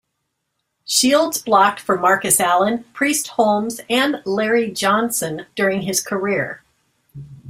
Shields blocked for Marcus Allen, Priest Holmes and Larry Johnson during his career.